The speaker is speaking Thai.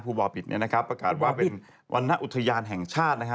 บ่อบิตเนี่ยนะครับประกาศว่าเป็นวรรณอุทยานแห่งชาตินะฮะ